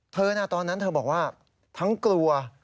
ตอนนั้นเธอบอกว่าทั้งกลัว